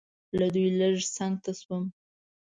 له دوی لږ څنګ ته شوم.